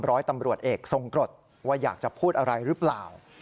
ร้อยตำรวจเอกทรงกรดว่าอยากจะพูดอะไรหรือเปล่า